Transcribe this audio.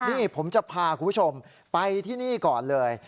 นี่ผมจะพาคุณผู้ชมไปที่นี่ก่อนเลย